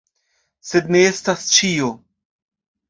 Sed ne estas ĉio.